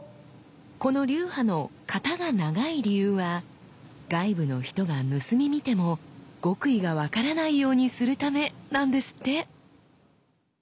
この流派の型が長い理由は外部の人が盗み見ても極意が分からないようにするためなんですって！